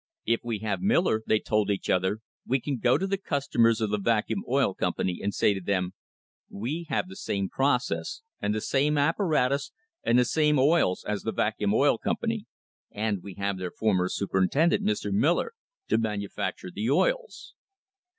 "If we have Miller," they told each other, "we can go to the customers of the Vacuum Oil Company and say to them : 'We have the same process and the same apparatus and the same oils as the Vacuum Oil Company, and we have their former super intendent, Mr. Miller, to manufacture the oils.'